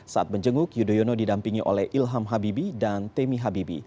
saat menjenguk yudhoyono didampingi oleh ilham habibi dan temi habibi